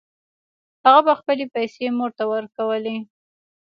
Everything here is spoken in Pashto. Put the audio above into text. هغه به خپلې پیسې مور ته ورکولې